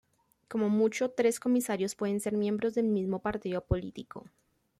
Como mucho tres comisarios pueden ser miembros del mismo partido político.